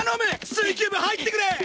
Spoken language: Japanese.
水球部入ってくれ！